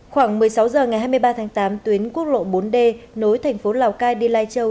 khoảng một mươi sáu h ngày hai mươi ba tháng tám tuyến quốc lộ bốn d nối thành phố lào cai đi lai châu